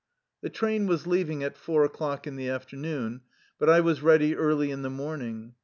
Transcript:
The train was leaving at four o'clock in the afternoon, but I was ready early in the morning.